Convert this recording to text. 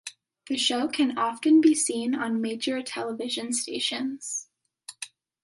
The show can often be seen on major television stations.